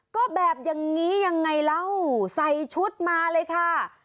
ก็แบบยังงี้ยังไงแล้วใส่ชุดมาเลยค่ะ